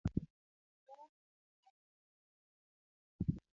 Koro to ohala nenore maber